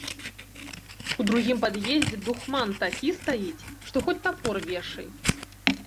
У другім пад'ездзе духман такі стаіць, што хоць тапор вешай.